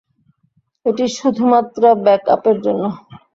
এটি শুধুমাত্র ব্যাকআপের জন্য।